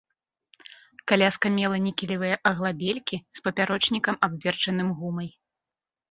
Каляска мела нікелевыя аглабелькі з папярочнікам, абверчаным гумай.